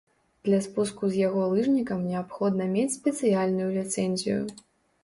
Для спуску з яго лыжнікам неабходна мець спецыяльную ліцэнзію.